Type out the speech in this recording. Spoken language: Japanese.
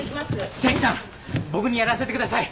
僕にやらせてください。